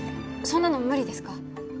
そんなの無理ですか？